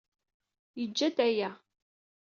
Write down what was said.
Yejja-d aya.